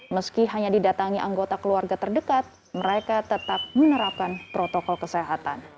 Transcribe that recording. meski hanya didatangi anggota keluarga terdekat mereka tetap menerapkan protokol kesehatan